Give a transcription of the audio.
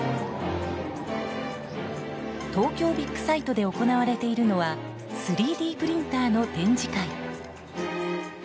東京ビッグサイトで行われているのは３Ｄプリンターの展示会。